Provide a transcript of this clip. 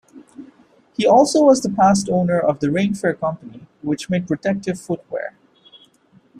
He also was the past owner of the Rainfair Company, which made protective footwear.